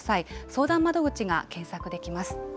相談窓口が検索できます。